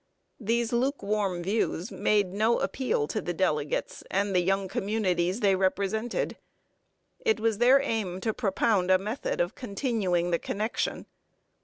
These lukewarm views made no appeal to the delegates and the young communities they represented. It was their aim to propound a method of continuing the connection.